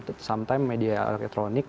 ataupun bahkan sometime media elektronik ya